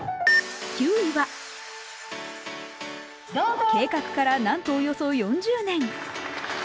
９位は、計画からなんとおよそ４０年。